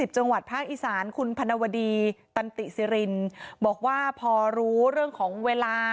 จังหวัดภาคอีสานคุณพนวดีตันติสิรินบอกว่าพอรู้เรื่องของเวลา